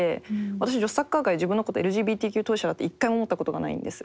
私女子サッカー界で自分のことＬＧＢＴＱ当事者だって一回も思ったことがないんです。